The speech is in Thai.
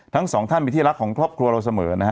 ทั้งสองท่านมีที่รักของครอบครัวเราเสมอนะฮะ